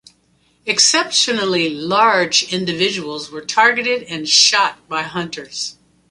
Exceptionally large individuals were targeted and shot by hunters.